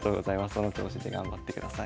その調子で頑張ってください。